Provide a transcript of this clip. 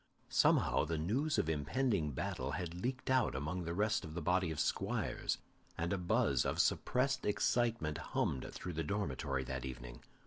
Somehow the news of impending battle had leaked out among the rest of the body of squires, and a buzz of suppressed excitement hummed through the dormitory that evening.